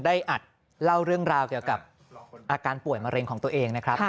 อัดเล่าเรื่องราวเกี่ยวกับอาการป่วยมะเร็งของตัวเองนะครับ